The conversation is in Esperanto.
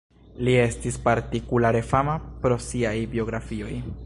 Li estis partikulare fama pro siaj biografioj.